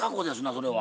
それは。